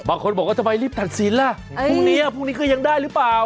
บางคนบอกว่าทำไมรีบตัดสินล่ะพรุ่งนี้พรุ่งนี้ก็ยังได้หรือเปล่า